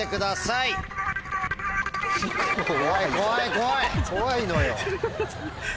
怖いのよ。